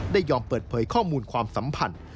ยอมเปิดเผยข้อมูลความสัมพันธ์